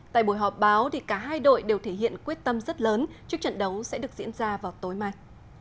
tại buổi họp báo cả hai đội đều thể hiện quyết tâm rất lớn trước trận đấu sẽ được diễn ra vào tối mai